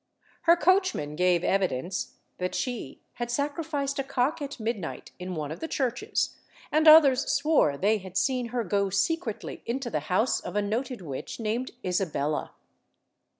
Her coachman gave evidence that she had sacrificed a cock at midnight in one of the churches, and others swore they had seen her go secretly into the house of a noted witch named Isabella.